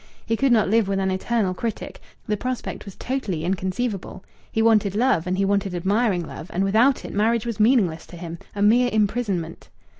He could not live with an eternal critic; the prospect was totally inconceivable. He wanted love, and he wanted admiring love, and without it marriage was meaningless to him, a mere imprisonment.